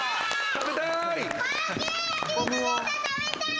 食べたい！